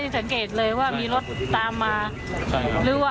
ตอนที่รับมามีคนตามมีอะไรสังเกตเห็นอะไรไหม